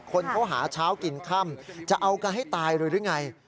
คนเขาหาเช้ากินค่ำจะเอากันให้ตายเลยหรือไง